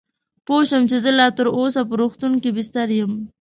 پوه شوم چې زه لا تراوسه په روغتون کې بستر یم.